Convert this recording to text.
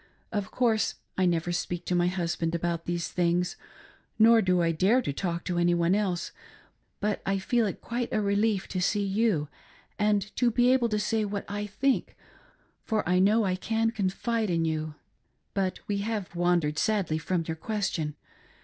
" Of course I never speak to my husband about these things, nor do I dare to talk to any one else ; but I feel it quite a relief to see you and to be able to say what I think, for I know I can confide in you. But we have wandered sadly from your question.